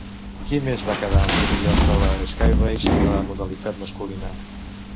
Qui més va quedar en primer lloc de la Skyrace en la modalitat masculina?